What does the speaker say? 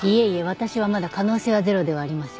私はまだ可能性はゼロではありません。